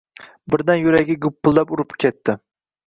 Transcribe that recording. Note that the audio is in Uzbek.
Birdan yuragi gupillab urib ketdi.